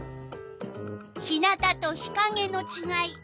日なたと日かげのちがい。